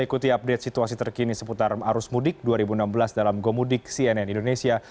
ikuti update situasi terkini seputar arus mudik dua ribu enam belas dalam gomudik cnn indonesia